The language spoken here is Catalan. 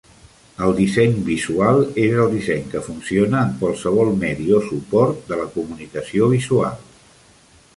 El disseny visual és el disseny que funciona en qualsevol medi o suport de la comunicació visual.